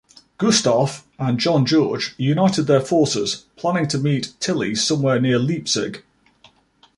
Gustav and John George united their forces, planning to meet Tilly somewhere near Leipzig.